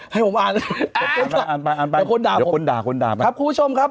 ให้ผมอ่านอ่านไปอ่านไปเดี๋ยวคุณด่าคุณด่าครับคุณผู้ชมครับ